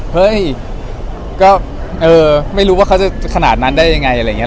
เฮ้ยก็ไม่รู้ว่าเค้าจะขนาดนั้นได้ยังไง